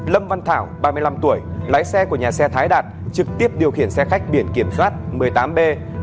lâm văn thảo ba mươi năm tuổi lái xe của nhà xe thái đạt trực tiếp điều khiển xe khách biển kiểm soát một mươi tám b một nghìn tám trăm linh tám